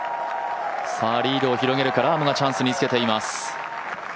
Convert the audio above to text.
リードを広げるかラームがチャンスにつけています。